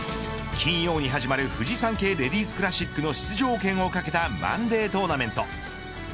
金曜に始まるフジサンケイレディスクラシックの出場権を懸けたマンデートーナメント。